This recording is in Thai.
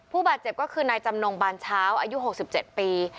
ผู้บาดเจ็บก็คือนายจำนงบานเช้าอายุ๖๗ปี